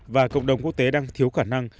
và cộng đồng quốc tế đang thiếu khả năng